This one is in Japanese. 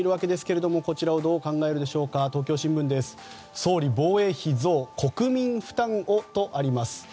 総理、防衛費増国民負担をとあります。